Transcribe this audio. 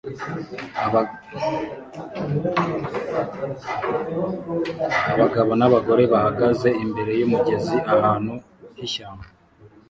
Abagabo n'abagore bahagaze imbere yumugezi ahantu h'ishyamba